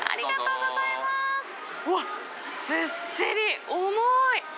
うわっ、ずっしり重い。